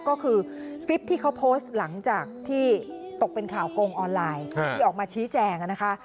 ก็คือคลิปที่เขาโพสต์หลังจากที่ตกเป็นข่าวโกงออนไลน์ที่ออกมาชี้แจงนะคะ